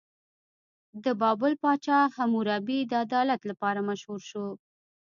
د بابل پاچا حموربي د عدالت لپاره مشهور شو.